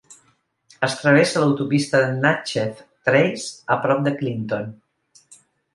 Es travessa l'autopista de Natchez Trace a prop de Clinton.